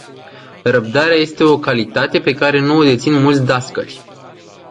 Răbdarea este o calitate pe care nu o dețin mulți dascăli.